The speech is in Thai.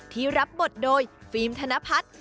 ที่รับบทโดยฟิล์มธนพัฒน์